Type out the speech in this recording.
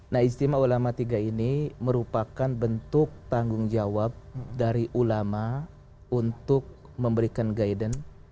nah istimewa ulama tiga ini merupakan bentuk tanggung jawab dari ulama untuk memberikan guidance